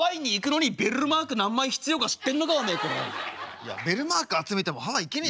いやベルマーク集めてもハワイ行けねえだろ。